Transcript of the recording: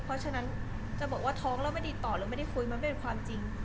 เพราะฉะนั้นจะบอกว่าท้องแล้วไม่ติดต่อหรือไม่ได้คุยมันเป็นความจริง